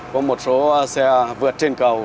có một số xe vượt trên cầu